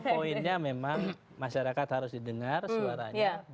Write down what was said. poinnya memang masyarakat harus didengar suaranya